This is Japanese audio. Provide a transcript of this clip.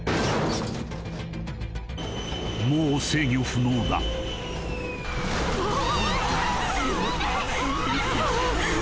もう制御不能だああ